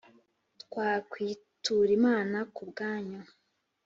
twakwitura Imana ku bwanyu